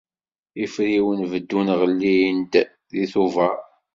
Ifriwen beddun ɣellin-d deg Tubeṛ.